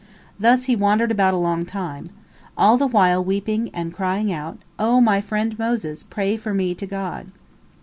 Thus he wandered about a long time. all the while weeping and crying out, "O my friend Moses, pray for me to God!"